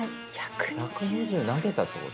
１２０投げたって事？